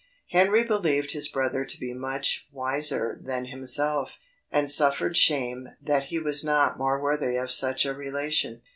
Henry believed his brother to be much wiser than himself, and suffered shame that he was not more worthy of such a relation.